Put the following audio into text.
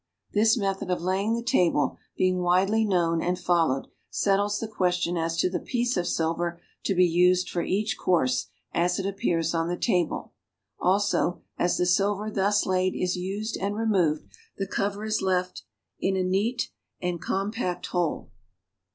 This method of laying the table, being widely known and followed, settles the question as to the piece of silver to be used for each course as it appears on the tabic. Also, as the silver thus laid is used and removed "the cover" is left in a neat and compact whole.